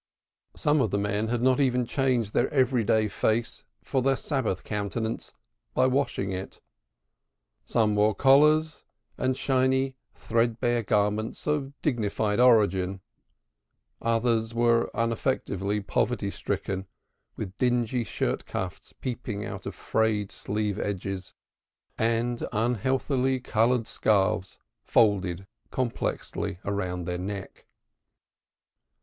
Some of the men had not even changed their everyday face for their Sabbath countenance by washing it. Some wore collars, and shiny threadbare garments of dignified origin, others were unaffectedly poverty stricken with dingy shirt cuffs peeping out of frayed sleeve edges and unhealthily colored scarfs folded complexly round their necks.